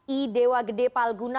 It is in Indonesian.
i dewa gede palguna